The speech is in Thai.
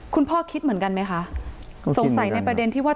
คุณพ่อคิดเหมือนกันไหมคะคิดเหมือนกันสงสัยในประเด็นที่ว่า